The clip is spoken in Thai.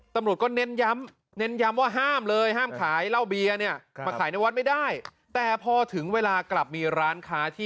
ตำรวจก็เน้นย้ำเน้นยำว่าห้ามเลยห้ามขายเหล้าเบียร์เนี้ย